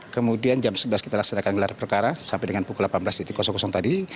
kemudian jam sebelas kita laksanakan gelar perkara sampai dengan pukul delapan belas tadi